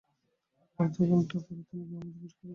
অর্ধ ঘণ্টা পরে তিনি গুহামধ্যে প্রবেশ করিলেন।